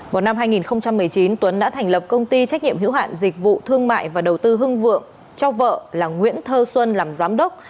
vào năm hai nghìn một mươi chín tuấn đã thành lập công ty trách nhiệm hữu hạn dịch vụ thương mại và đầu tư hưng vượng cho vợ là nguyễn thơ xuân làm giám đốc